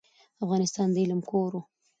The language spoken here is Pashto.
افغانستان د علم کور و.